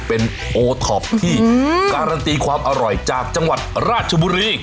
เป็นโอท็อปที่การันตีความอร่อยจากจังหวัดราชบุรี